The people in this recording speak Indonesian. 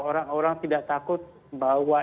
orang orang tidak takut bahwa